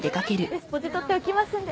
ベスポジ取っておきますんで。